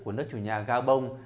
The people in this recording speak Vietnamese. của nước chủ nhà gabon